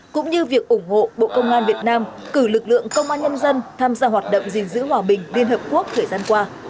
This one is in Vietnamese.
cũng như việc ủng hộ bộ công an việt nam cử lực lượng công an nhân dân tham gia hoạt động gìn giữ hòa bình liên hợp quốc thời gian qua